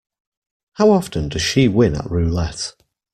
How often does she win at roulette?